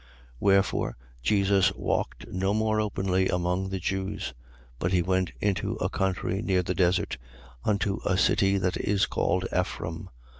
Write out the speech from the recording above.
11:54. Wherefore Jesus walked no more openly among the Jews: but he went into a country near the desert, unto a city that is called Ephrem.